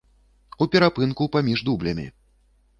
У перапынку паміж дублямі.